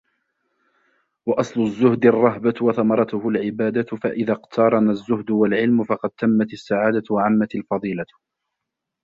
وَأَصْلُ الزُّهْدِ الرَّهْبَةُ وَثَمَرَتُهُ الْعِبَادَةُ فَإِذَا اقْتَرَنَ الزُّهْدُ وَالْعِلْمُ فَقَدْ تَمَّتْ السَّعَادَةُ وَعَمَّتْ الْفَضِيلَةُ